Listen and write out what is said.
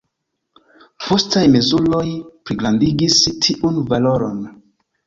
Postaj mezuroj pligrandigis tiun valoron.